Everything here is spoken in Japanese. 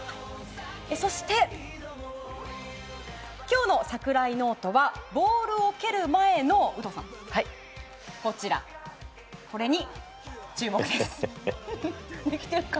そして、今日の櫻井ノートはボールを蹴る前のこれに注目です。